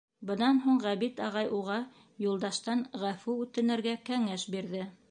Бынан һуң Ғәбит ағай уға Юлдаштан ғәфү үтенергә кәңәш бирҙе.